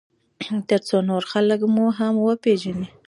ترڅو نور خلک مو هم وپیژني.